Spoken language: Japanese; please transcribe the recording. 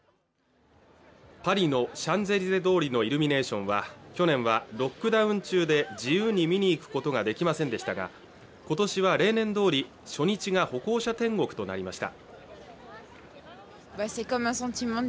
パリのシャンゼリゼ通りのイルミネーションは去年はロックダウン中で自由に見に行くことができませんでしたが今年は例年通り初日が歩行者天国となりました